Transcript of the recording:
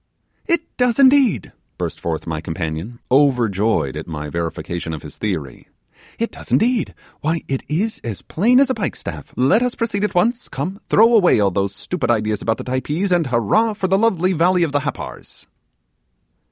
'It does, indeed,' burst forth my companion, overjoyed at my verification of his theory, 'it does indeed; why, it is as plain as a pike staff. Let us proceed at once; come, throw away all those stupid ideas about the Typees, and hurrah for the lovely valley of the Happars.